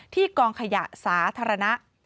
กองขยะสาธารณะ